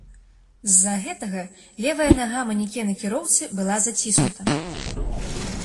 З-за гэтага левая нага манекена кіроўцы была заціснута.